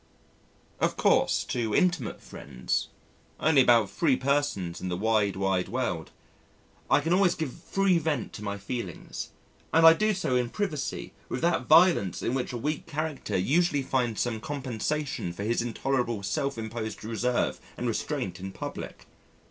Of course, to intimate friends (only about three persons in the wide, wide world), I can always give free vent to my feelings, and I do so in privacy with that violence in which a weak character usually finds some compensation for his intolerable self imposed reserve and restraint in public.